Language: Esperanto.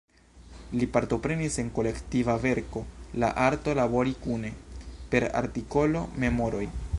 Li partoprenis en kolektiva verko "La arto labori kune" per artikolo "Memoroj".